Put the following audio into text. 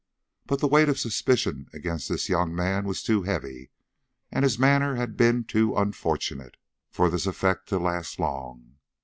But the weight of suspicion against this young man was too heavy, and his manner had been too unfortunate, for this effect to last long.